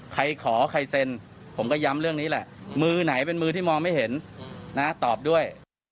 ใครขอใครเซ็นผมก็ย้ำเรื่องนี้แหละมือไหนเป็นมือที่มองไม่เห็นนะตอบด้วย